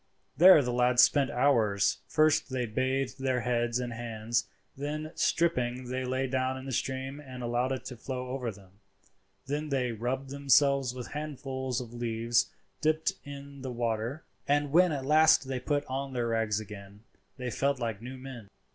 There the lads spent hours. First they bathed their heads and hands, and then stripping, lay down in the stream and allowed it to flow over them; then they rubbed themselves with handfuls of leaves dipped in the water; and when they at last put on their rags again they felt like new men.